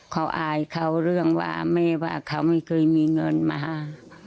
เขาอายเขาเรื่องว่าแม่ว่าเขาไม่เคยมีเงินมา